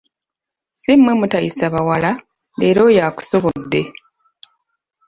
Si mmwe mutayisa bawala, leero oyo akusobodde!